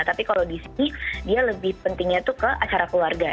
tapi kalau di sini dia lebih pentingnya tuh ke acara keluarga